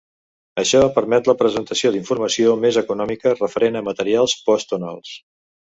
Això permet la presentació d'informació més econòmica referent a materials post-tonals.